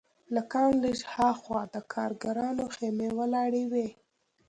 له کان لږ هاخوا د کارګرانو خیمې ولاړې وې